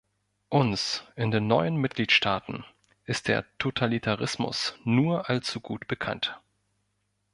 Uns in den neuen Mitgliedstaaten ist der Totalitarismus nur allzu gut bekannt.